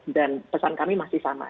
dan pesan kami masih sama